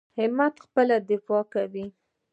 همت خپله دفاع کوي.